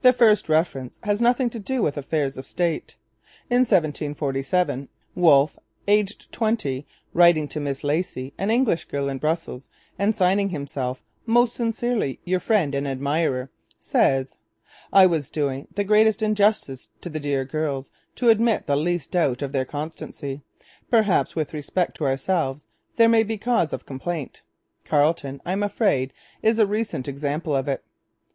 The first reference has nothing to do with affairs of state. In 1747 Wolfe, aged twenty, writing to Miss Lacey, an English girl in Brussels, and signing himself 'most sincerely your friend and admirer,' says: 'I was doing the greatest injustice to the dear girls to admit the least doubt of their constancy. Perhaps with respect to ourselves there may be cause of complaint. Carleton, I'm afraid, is a recent example of it.'